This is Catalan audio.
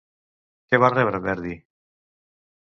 Què va rebre Verdi?